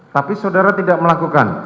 tapi saudara tidak melakukan